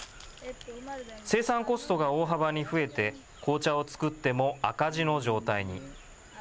生産コストが大幅に増えて紅茶を作っても赤字の状態に。